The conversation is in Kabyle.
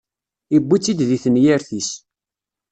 Iwwi-tt-id di tenyirt-is.